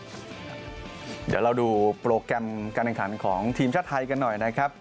เดี๋ยวเราดูโปรแกรมการแข่งขันของทีมชาติไทยกันหน่อยนะครับ